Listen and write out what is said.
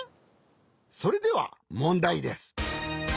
それではもんだいです！